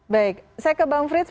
baik saya ke bang frits